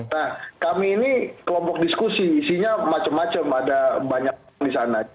nah kami ini kelompok diskusi isinya macam macam ada banyak di sana